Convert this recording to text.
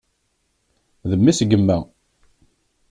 D mmi-s n yemma.